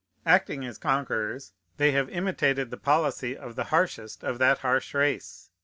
Acting as conquerors, they have imitated the policy of the harshest of that harsh race.